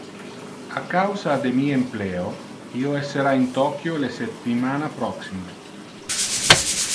A causa de mi empleo, io essera in Tokyo le septimana proxime.